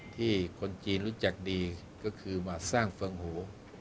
ที่คนจีนรู้จักดีก็คือมาสร้างฝังหัว